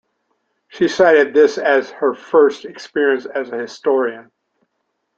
She cited this as her first experience as a historian.